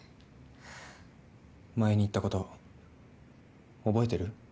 前に言ったこと覚えてる？